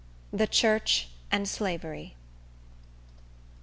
The Church And Slavery.